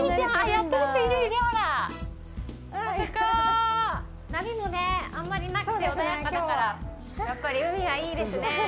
やっぱり海はいいですね。